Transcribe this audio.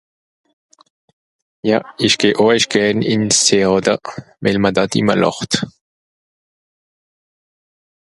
ja isch geh à isch gehn ins théàter wel mr dat immer làcht